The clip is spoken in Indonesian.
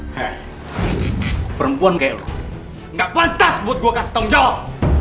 hea perempuan kayak lu gak pantas buat gue kasih tanggung jawab